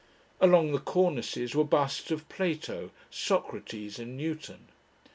Along the cornices were busts of Plato, Socrates, and Newton.